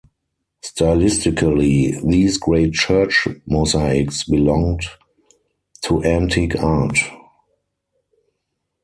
Stylistically, these great church mosaics belonged to antique art.